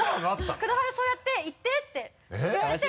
「クドハルそうやって言って」って言われて。